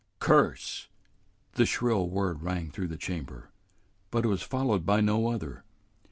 "Curse " The shrill word rang through the chamber, but it was followed by no other.